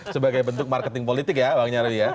sebagai bentuk marketing politik ya bang nyari ya